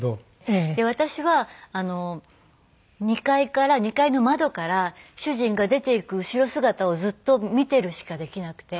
で私は２階の窓から主人が出ていく後ろ姿をずっと見てるしかできなくて。